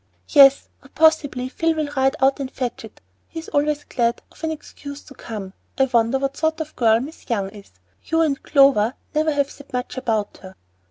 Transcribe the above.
"Yes, or possibly Phil will ride out and fetch it. He is always glad of an excuse to come. I wonder what sort of girl Miss Young is. You and Clover never have said much about her."